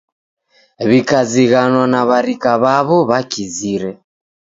W'ikazighanwa na w'arika w'aw'o w'akizire.